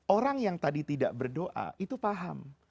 orang yang tadi tidak berdoa itu paham